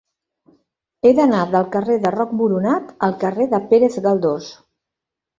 He d'anar del carrer de Roc Boronat al carrer de Pérez Galdós.